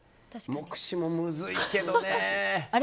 目視もむずいけどね。